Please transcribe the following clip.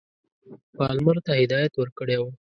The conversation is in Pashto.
پالمر ته هدایت ورکړی وو.